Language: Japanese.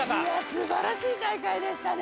素晴らしい大会でしたね。